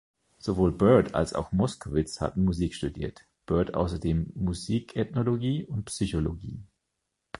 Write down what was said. Sowohl Byrd als auch Moskowitz hatten Musik studiert, Byrd außerdem Musikethnologie und Psychologie.